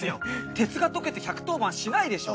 鉄が溶けて１１０番しないでしょ。